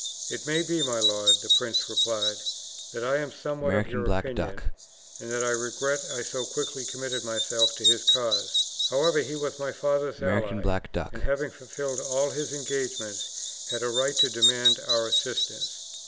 "It may be, my lord," the prince replied, "that I am somewhat of your opinion, and that I regret I so quickly committed myself to his cause. However, he was my father's ally, and having fulfilled all his engagements had a right to demand our assistance.